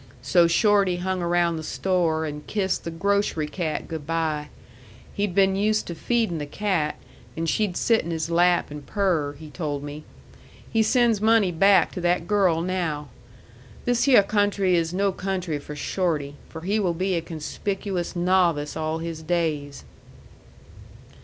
So Shorty hung around the store and kissed the grocery cat good by. He'd been used to feeding the cat, and she'd sit in his lap and purr, he told me. He sends money back to that girl now. This hyeh country is no country for Shorty, for he will be a conspicuous novice all his days."